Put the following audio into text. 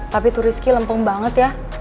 tapi tuh rizky lempeng banget ya